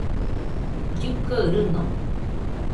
llɨkɨaɨ rɨño